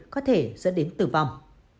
có thể dẫn đến tử vong